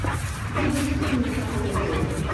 Revestir d'una capa de brea.